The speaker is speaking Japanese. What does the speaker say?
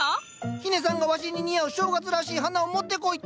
日根さんが「わしに似合う正月らしい花を持ってこい」って。